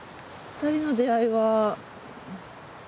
二人の出会いは。